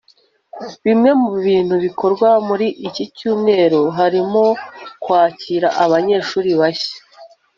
Bimwe mu bintu bikorwa muri iki cyumweru harimo kwakira abanyeshuri bashya